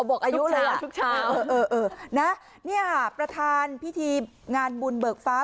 เอาบอกอายุเลยอะเออนะนี่ค่ะประธานพิธีงานบุญเบิกฟ้า